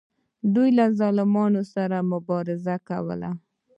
دوی به له ظالمانو سره مبارزه کوله.